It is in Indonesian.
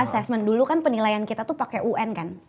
assessment dulu kan penilaian kita tuh pakai un kan